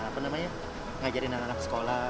karena ngajarin anak anak sekolah